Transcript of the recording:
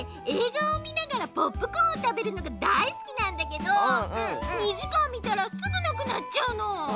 えいがをみながらポップコーンをたべるのがだいすきなんだけど２じかんみたらすぐなくなっちゃうの。